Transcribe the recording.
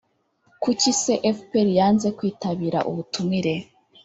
kuki se fpr yanze kwitabira ubutumire